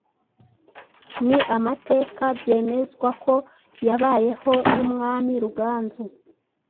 Ni amateka byemezwa ko yabayeho y’umwami Ruganzu